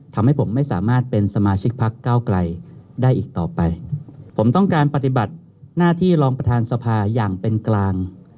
ทำให้ผมไม่สามารถเป็นสมาชิกพักเก้าไกลได้อีกต่อไปผมต้องการปฏิบัติหน้าที่รองประธานสภาอย่างเป็นกลาง